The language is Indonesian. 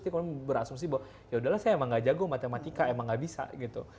dia berasumsi bahwa yaudahlah saya emang nggak jago matematika emang nggak bisa gitu